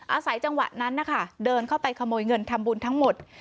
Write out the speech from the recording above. อาศัยจังหวะนั้นนะคะเดินเข้าไปขโมยเงินทำบุญทั้งหมด